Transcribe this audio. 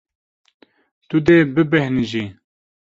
Tu dê bibêhnijî.